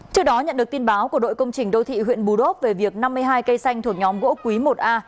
trước đó nhận được tin báo của đội công trình đô thị huyện bù đốt về việc năm mươi hai cây xanh thuộc nhóm gỗ quý một a